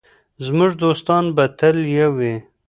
زموږ دوستان به تل یو وي.